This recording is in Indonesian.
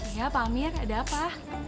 iya pak amir ada apa